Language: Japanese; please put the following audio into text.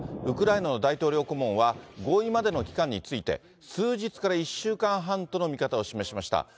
ウクライナの大統領顧問は、合意までの期間について、数日から１週間半との見方を示しました。